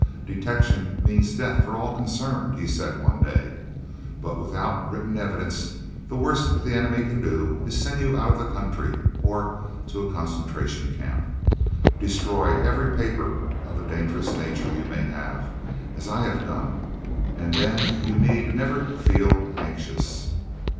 "Detection means death for all concerned," he said one day, "but without written evidence the worst the enemy can do is to send you out of the country or to a Concentration Camp. Destroy every paper of a dangerous nature you may have, as I have done, and then you need never feel anxious."